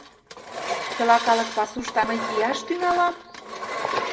— Чыла калык пасушто, а мый кияш тӱҥалам!